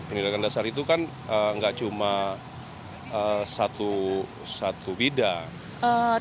pendidikan dasar itu kan nggak cuma satu bidang